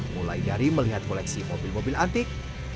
mulai dari melihat koleksi mobil mobil antik